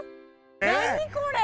何これ？